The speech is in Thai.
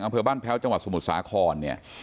อำเภอบ้านแพ้วจังหวัดสมุทรสาครเนี่ย